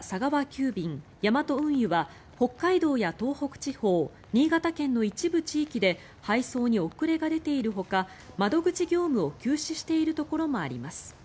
急便ヤマト運輸は北海道や東北地方新潟県の一部地域で配送に遅れが出ているほか窓口業務を休止しているところもあります。